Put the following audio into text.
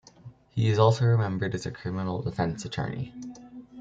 He is also remembered as a criminal defense attorney.